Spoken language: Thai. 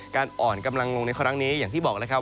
อ่อนกำลังลงในครั้งนี้อย่างที่บอกแล้วครับ